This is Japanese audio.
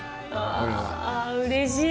あうれしい。